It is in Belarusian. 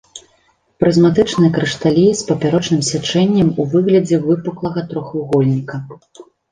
Прызматычныя крышталі з папярочным сячэннем у выглядзе выпуклага трохвугольніка.